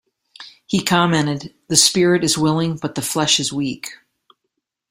He commented: "The spirit is willing, but the flesh is weak".